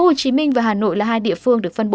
tp hcm và hà nội là hai địa phương được phân bổ